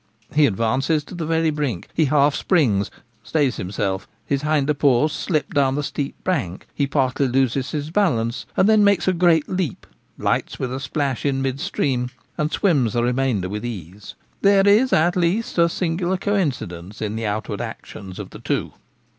He advances to the very brink — he half springs, stays himself, his hinder paws slip down the steep bank, he partly loses his balance, and then makes a great leap, lights with a splash in mid stream, and swims the remainder with ease. There is, at least, a singular coincidence in the outward actions of the two.